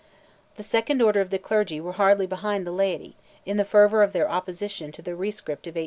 The second order of the clergy were hardly behind the laity, in the fervour of their opposition to the rescript of 1814.